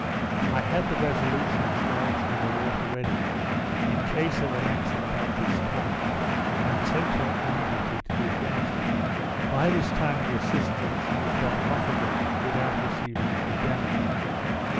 I had the Resolution's launch in the water ready, in case of an accident of this kind, and sent her immediately to the Adventure. By this timely assistance, she was got off again, without receiving any damage.